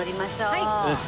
はい。